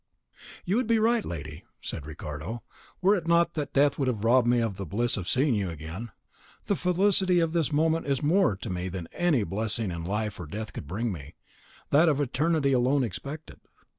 "You would be right, lady," said Ricardo, "were it not that death would have robbed me of the bliss of seeing you again. The felicity of this moment is more to me than any blessing that life or death could bring me, that of eternity alone excepted.